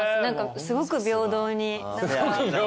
すごく平等に？